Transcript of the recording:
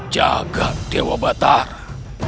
jaga dewa batara